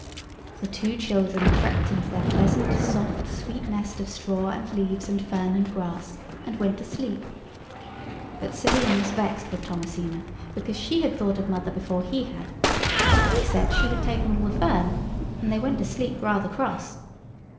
The two children crept into their pleasant, soft, sweet nest of straw and leaves and fern and grass, and went to sleep. But Selim was vexed with Thomasina because she had thought of mother before he had, and he said she had taken all the fern—and they went to sleep rather cross.